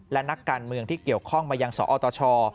และนักการเมืองที่เกี่ยวข้องมายังสอตช